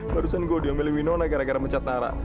barusan gue diambilin winona gara gara mencat nara